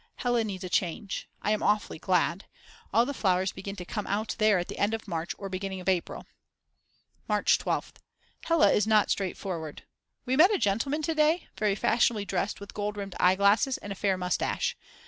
Hella needs a change. I am awfully glad. All the flowers begin to come out there at the end of March or beginning of April. March 12th. Hella is not straightforward. We met a gentleman to day, very fashionably dressed with gold rimmed eyeglasses and a fair moustache.